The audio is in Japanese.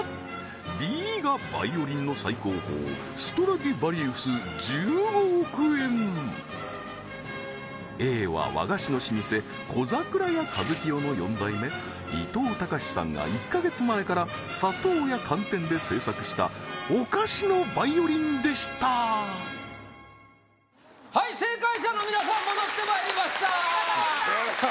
Ｂがバイオリンの最高峰Ａは和菓子の老舗小ざくらや一清の４代目伊藤高史さんが１ヶ月前から砂糖や寒天で製作したお菓子のバイオリンでしたはい正解者の皆さん戻ってまいりましたお見事でした